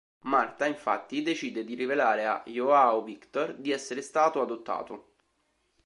Martha, infatti, decide di rivelare a João Victor di essere stato adottato.